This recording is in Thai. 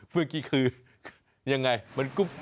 เมื่อกี้คือยังไงมันก็